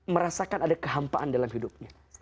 merasakan ada kehampaan dalam hidupnya